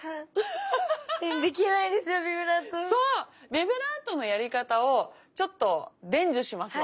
ビブラートのやり方をちょっと伝授しますわ。